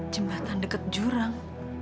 jembatan dekat jurang